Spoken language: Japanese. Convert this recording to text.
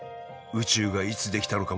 宇宙は一体いつ出来たのか？